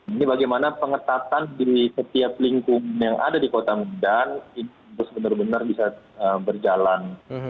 ini bagaimana pengetatan di setiap lingkungan yang ada di kota medan ini harus benar benar bisa berjalan